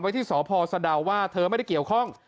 ที่สพสะดาวว่าเธอไม่ได้เกี่ยวข้อง